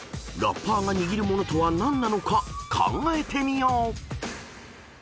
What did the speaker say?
［ラッパーが握る物とは何なのか考えてみよう］